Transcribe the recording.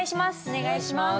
お願いします。